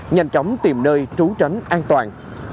nhanh chóng tìm nơi trú tránh an toàn